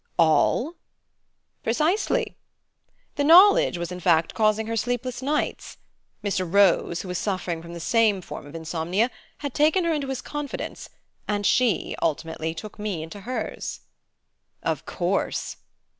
"All?" "Precisely. The knowledge was in fact causing her sleepless nights. Mr. Rose, who was suffering from the same form of insomnia, had taken her into his confidence, and she ultimately took me into hers." "Of course!"